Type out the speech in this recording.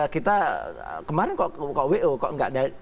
kita kemarin kok wo kok nggak